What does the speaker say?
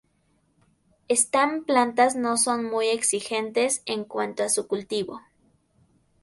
Están plantas no son muy exigentes en cuanto a su cultivo.